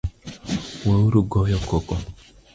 Weuru goyo koko